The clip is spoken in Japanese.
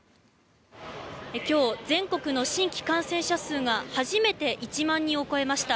今日、全国の新規感染者数が初めて１万人を超えました。